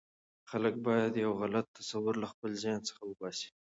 خلک باید یو غلط تصور له خپل ذهن څخه وباسي.